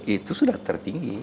itu sudah tertinggi